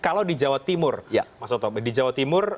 kalau di jawa timur mas oto di jawa timur